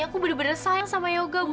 aku bener bener sayang sama yoga